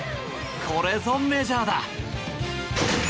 これぞメジャーだ。